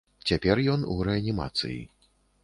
Цяпер ён у рэанімацыі.